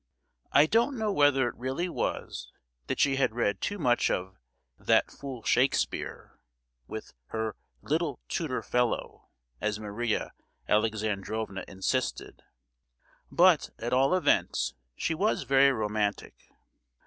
I don't know whether it really was that she had read too much of "that fool Shakespeare," with her "little tutor fellow," as Maria Alexandrovna insisted; but, at all events she was very romantic.